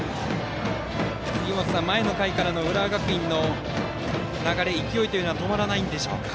杉本さん、前の回からの浦和学院の流れ、勢いは止まらないんでしょうか。